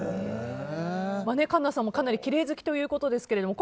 環奈さんもかなりきれい好きということですけれども